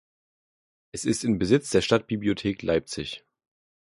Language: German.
Es ist in Besitz der Stadtbibliothek Leipzig.